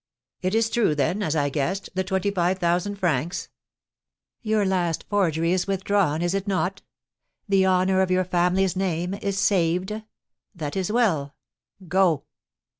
"It is true, then, as I guessed, the twenty five thousand francs " "Your last forgery is withdrawn, is it not? The honour of your family's name is saved, that is well, go!"